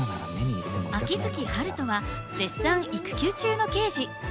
秋月春風は絶賛育休中の刑事。